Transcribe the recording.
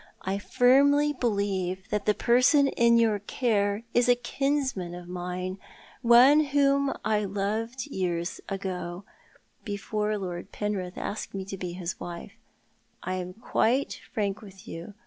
I firmly believe that the person in your care is a kinsman of mine, one whom I loved years ago, before Lord Penrith asked me to be his wife. I am quite frank with you.